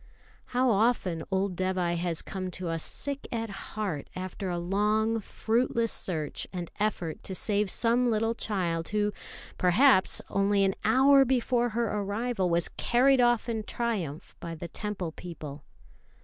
How often old Dévai has come to us sick at heart after a long, fruitless search and effort to save some little child who, perhaps, only an hour before her arrival was carried off in triumph by the Temple people!